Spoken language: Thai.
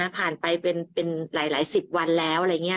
ผ่านไปเป็นหลายสิบวันแล้วอะไรอย่างนี้